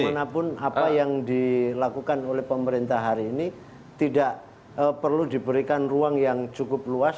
bagaimanapun apa yang dilakukan oleh pemerintah hari ini tidak perlu diberikan ruang yang cukup luas